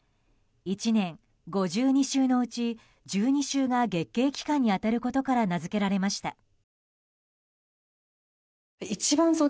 １年５２週のうち１２週が月経期間に当たることから名づけられました。